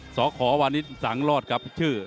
สอขอวันนี้สังรอดครับชื่อ